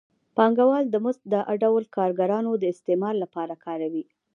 پانګوال د مزد دا ډول د کارګرانو د استثمار لپاره کاروي